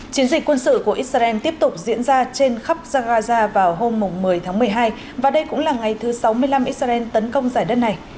chiến dịch quân sự của israel tiếp tục diễn ra trên khắp zagaza vào hôm một mươi tháng một mươi hai và đây cũng là ngày thứ sáu mươi năm israel tấn công giải đất này